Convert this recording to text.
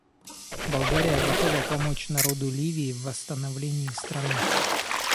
Болгария готова помочь народу Ливии в восстановлении страны.